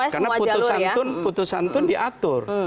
karena putusan tun diatur